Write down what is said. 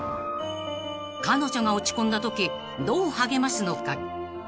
［彼女が落ち込んだときどう励ますのか？］